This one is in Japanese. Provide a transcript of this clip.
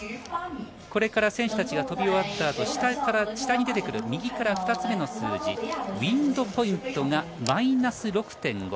これから選手たちが飛び終わったあと下に出てくる右から２つ目の数字ウィンドポイントがマイナス６．５。